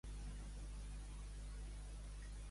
Què més van idear Esmilis, Rec i Teodor, segons Plini?